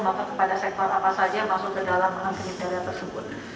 atau kepada sektor apa saja yang masuk ke dalam enam kriteria tersebut